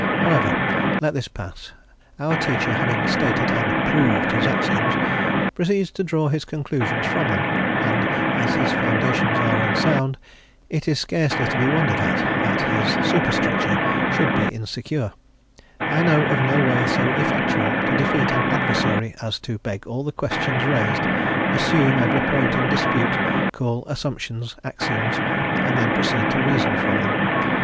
However, let this pass: our teacher, having stated and "proved" his axioms, proceeds to draw his conclusions from them; and as his foundations are unsound, it is scarcely to be wondered at that his superstructure should be insecure, I know of no way so effectual to defeat an adversary as to beg all the questions raised, assume every point in dispute, call assumptions axioms, and then proceed to reason from them.